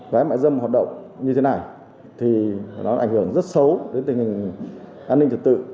vé mại dâm hoạt động như thế này thì nó ảnh hưởng rất xấu đến tình hình an ninh trật tự